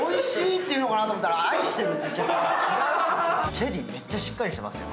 チェリー、めっちゃしっかりしていますよ。